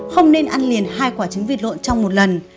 không nên ăn liền hai quả trứng vịt lộn trong một lần